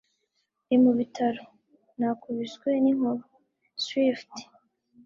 Ndi mu bitaro. Nakubiswe n'inkuba. (Swift)